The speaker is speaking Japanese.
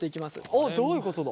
おっどういうことだ？